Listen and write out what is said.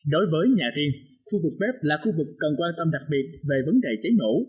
đối với nhà riêng khu vực bếp là khu vực cần quan tâm đặc biệt về vấn đề cháy nổ